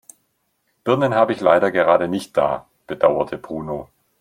Birnen habe ich leider gerade nicht da, bedauerte Bruno.